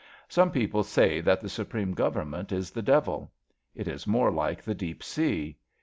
Some people say that the Supreme Government is the Devil. It is more like the Deep Sea.